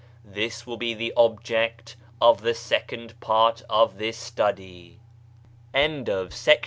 This will be the object of the second part of this study. 2 ■— CD "S E C S.